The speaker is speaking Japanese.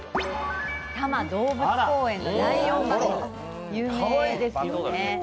多摩動物公園のライオンバス、有名ですよね。